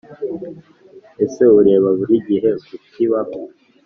Ese ureba buri gihe ku kibaho